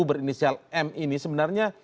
berinisial m ini sebenarnya